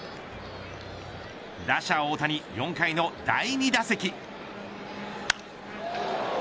打者大谷、４回の第２打席。